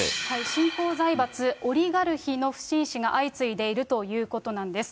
新興財閥、オリガルヒの不審死が相次いでいるということなんです。